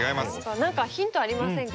何かヒントありませんか？